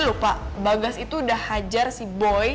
lupa bagas itu udah hajar si boy